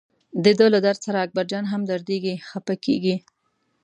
دده له درد سره اکبرجان هم دردېږي خپه کېږي.